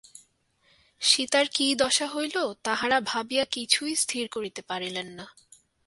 সীতার কি দশা হইল, তাঁহারা ভাবিয়া কিছুই স্থির করিতে পারিলেন না।